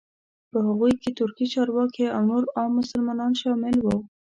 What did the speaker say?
په هغوی کې ترکي چارواکي او نور عام مسلمانان شامل وو.